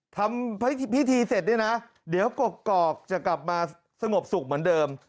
ทำพิธีเสร็จเนี่ยนะเดี๋ยวกกอกจะกลับมาสงบสุขเหมือนเดิม